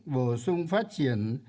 bổ sung phát triển